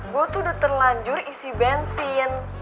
gue tuh udah terlanjur isi bensin